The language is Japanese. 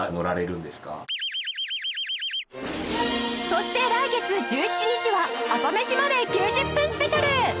そして来月１７日は『朝メシまで。』９０分スペシャル